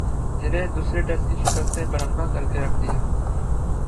جنہیں دوسرے ٹیسٹ کی شکست نے برہنہ کر کے رکھ دیا